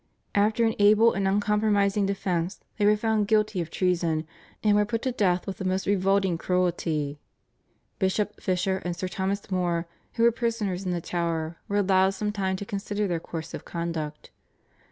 After an able and uncompromising defence they were found guilty of treason and were put to death with the most revolting cruelty. Bishop Fisher and Sir Thomas More, who were prisoners in the Tower, were allowed some time to consider their course of conduct.